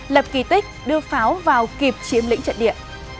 lập kỳ tích đưa pháo vào kịp chiếm lĩnh trận địa